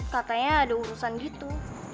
katanya ada urusan gitu